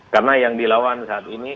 karena yang dilawan saat ini